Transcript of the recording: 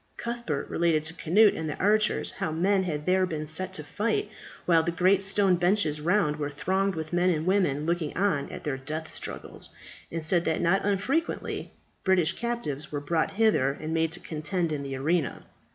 Cuthbert related to Cnut and the archers, how men had there been set to fight, while the great stone benches round were thronged with men and women looking on at their death struggles, and said that not unfrequently British captives were brought hither and made to contend in the arena.